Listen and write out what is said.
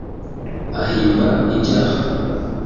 ahimba ibyaha